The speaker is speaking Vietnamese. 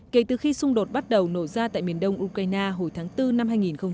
kể từ khi xung đột bắt đầu nổ ra tại miền đông ukraine hồi tháng bốn năm hai nghìn hai mươi